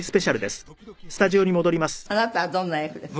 あなたはどんな役ですか？